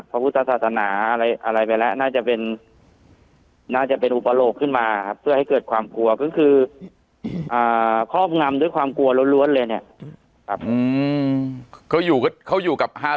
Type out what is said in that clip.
่อครอบความด้วยความกลัวร้อนร้วนเลยเนี่ยกับ